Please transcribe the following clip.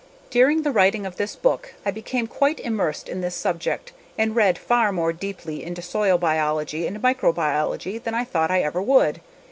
During the writing of this book I became quite immersed in this subject and read far more deeply into soil biology and microbiology than I thought I ever would.